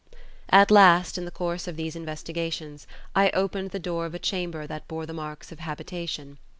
At last, in the course of these investigations, I opened the door of a chamber that bore the marks of habitation.